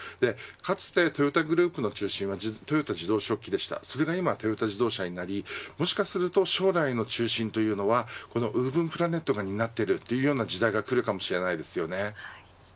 かつて、トヨタグループの中心は豊田自動織機でしたそれが今、トヨタ自動車になりウーブンプラネットが担っているという時代が来るのかもしれません。